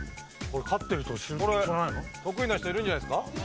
これ得意な人いるんじゃないですか？